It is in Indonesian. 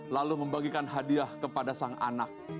lalu membagikan hadiah kepada sang anak